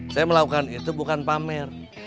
saya melakukan itu bukan pamer